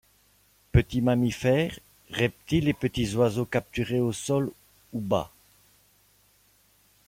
Petits mammifers, reptiles et petits oiseaux capturés au sol ou bas.